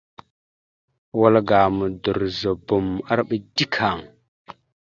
Wal ga Modorəzobom arɓa dik haŋ.